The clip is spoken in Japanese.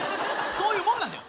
そういうもんなんだよ！